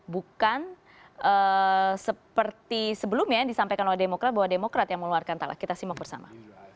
bukan seperti sebelumnya yang disampaikan oleh demokrat bahwa demokrat yang mengeluarkan salah kita simak bersama